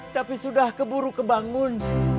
tapi sudah keburu kebangun